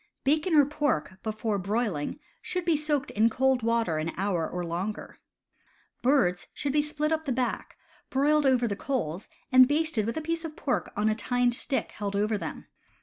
Bacon or pork, before broiling, should be soaked in cold water an hour or longer. Birds should be split up the back, broiled over the coals, and basted with a piece of pork on tined stick held over them.